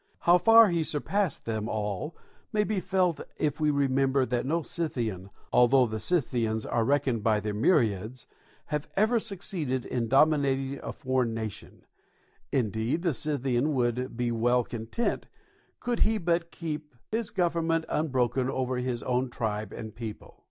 How far he surpassed them all may be felt if we remember that no Scythian, although the Scythians are reckoned by their myriads, has ever succeeded in dominating a foreign nation; indeed the Scythian would be well content could he but keep his government unbroken over his own tribe and people.